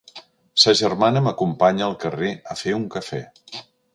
Sa germana m'acompanya al carrer a fer un cafè.